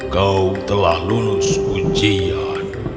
kau telah lulus ujian